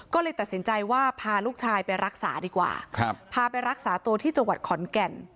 ก็เลยตัดสินใจว่าพาลูกชายไปรักษาดีกว่าพาไปรักษาตัวที่จังหวัดขอนแก่น